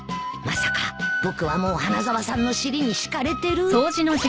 まさか僕はもう花沢さんの尻に敷かれてる？